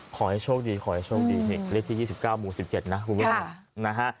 ขอให้โชคดีขอให้โชคดีเลขที่๑๙บุค๑๗นะคุณพุทธภัย